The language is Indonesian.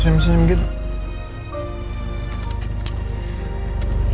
kenapa senyum senyum gitu